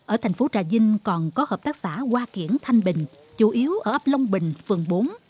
ở thành phố trà vinh còn có hợp tác xã hoa kiển thanh bình chủ yếu ở ấp long bình phường bốn